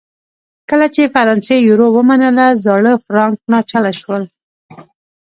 کله چې فرانسې یورو ومنله زاړه فرانک ناچله شول.